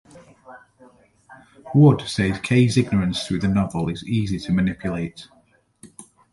Wood says Kaye's ignorance through the novel is easy to manipulate.